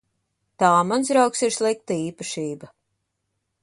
Tā, mans draugs, ir slikta īpašība.